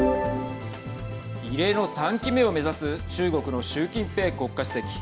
異例の３期目を目指す中国の習近平国家主席。